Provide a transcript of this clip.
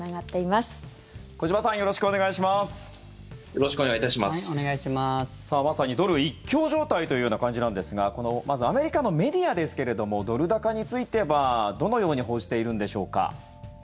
まさにドル一強状態というような感じなんですがまずアメリカのメディアですけれどもドル高について、どのように報じているんでしょうか。